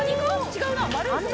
違うな。